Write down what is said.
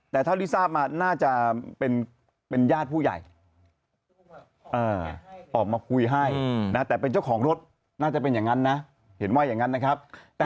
แต่เท่าที่ทราบมาน่าจะเป็นญาติผู้ใหญ่ออกมาคุยให้นะแต่เป็นเจ้าของรถน่าจะเป็นอย่างนั้นนะเห็นว่าอย่างนั้นนะครับ